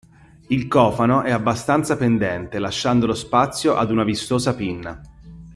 Il cofano è abbastanza pendente lasciando lo spazio ad una vistosa pinna.